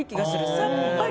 さっぱり。